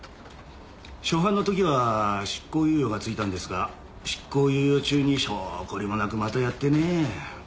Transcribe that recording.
初犯の時は執行猶予がついたんですが執行猶予中に性懲りもなくまたやってねぇ。